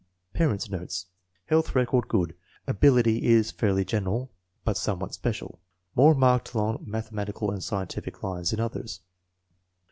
Parents 9 notes. Health record good. Ability is fairly general, but somewhat special. More marked along mathematical and scientific lines than others.